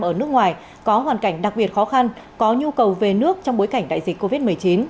ở nước ngoài có hoàn cảnh đặc biệt khó khăn có nhu cầu về nước trong bối cảnh đại dịch covid một mươi chín